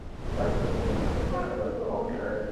عصري تعلیم مهم دی ځکه چې د ودونو عمر لوړوي.